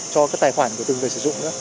cho các tài khoản của từng người sử dụng